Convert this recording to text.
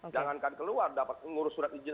jangankan keluar dapat ngurus surat izin